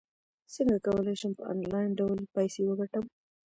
څنګه کولی شم په انلاین ډول پیسې وګټم